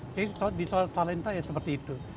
jadi di soal talenta ya seperti itu